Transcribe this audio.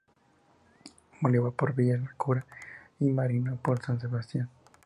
Bolívar por Villa de Cura y Mariño por San Sebastián.